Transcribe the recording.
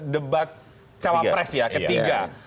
debat cawapres ya ketiga